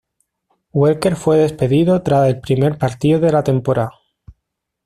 Welker fue despedido tras el primer partido de la temporada.